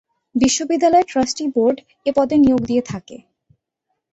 বিশ্ববিদ্যালয়ের trustee board এ পদে নিয়োগ দিয়ে থাকে।